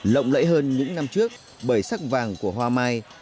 lộng lẫy hơn những năm trước bởi sắc vàng của hoa mai